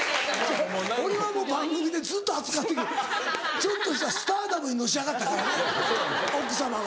俺はもう番組でずっと扱ってるけどちょっとしたスターダムにのし上がったからね奥さまが。